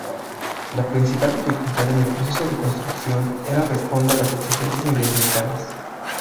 La principal dificultad en el proceso de construcción era responde a las exigencias medioambientales.